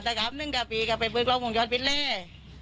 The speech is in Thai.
ถึงกะปีกะไปเปิดกล้องวงยอดปิดเลย